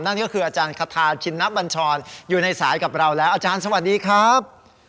นั่นก็คืออาจารย์คาทาชินนับบัญชรอยู่ในสายกับเราแล้วอาจารย์สวัสดีครับ